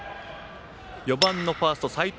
４番のファースト齋藤